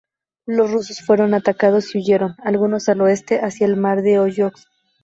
Los rusos fueron atacados y huyeron, algunos al oeste hacia el mar de Ojotsk.